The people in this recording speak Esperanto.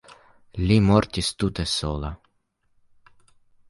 Li mortis tute sola.